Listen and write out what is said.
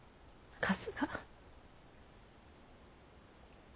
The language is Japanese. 春日。